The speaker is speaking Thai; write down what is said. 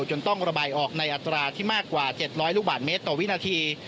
และจะมีน้ำไหลเข้าเขื่อนอย่างรวดเร็วจนต้องระบายออกในอัตราที่มากกว่า๗๐๐ลูกบาทเมตรต่อวินาที